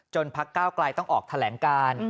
จนภาคเก้ากลายต้องออกแถลงการ